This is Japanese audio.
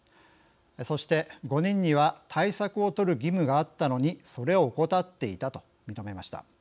そして、５人には対策を取る義務があったのにそれを怠っていたと認めました。